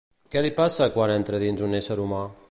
Què li passa quan entra dins un ésser humà?